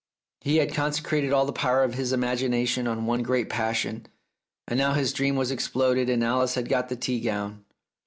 He had consecrated all the power of his imagination on one great passion, and now his dream was exploded and Alice had got the tea gown